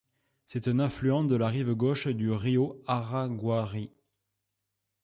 C'est un affluent de la rive gauche du rio Araguari.